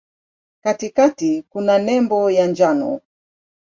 Katikati kuna nembo ya njano.